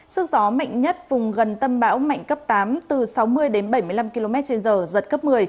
sức gió mạnh nhất vùng gần tâm bão mạnh cấp tám từ sáu mươi đến bảy mươi năm km trên giờ giật cấp một mươi